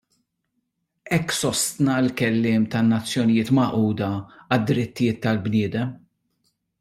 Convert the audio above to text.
Hekk sostna l-kelliem tan-Nazzjonijiet Magħquda għad-Drittijiet tal-Bniedem.